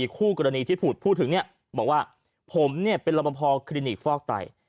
คู่กรณีที่พูดถึงเนี่ยบอกว่าผมเนี่ยเป็นรบพอคลินิกฟอกไต